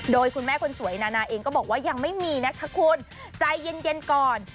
โดยคุณแม่คนสวยนานาเองก็บอกว่ายังไม่มีนะคะคุณใจเย็นก่อน